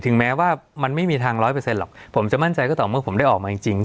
แม้ว่ามันไม่มีทางร้อยเปอร์เซ็นหรอกผมจะมั่นใจก็ต่อเมื่อผมได้ออกมาจริง